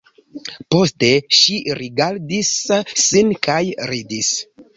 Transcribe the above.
Poste ŝi rigardis sin kaj ridis.